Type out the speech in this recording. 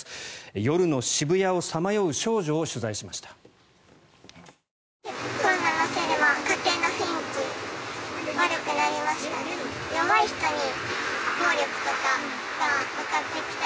夜の渋谷をさまよう少女を取材しました。